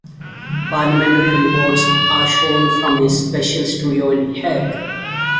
Parliamentary reports are shown from a special studio in The Hague.